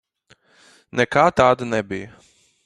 Nekā tāda nebija.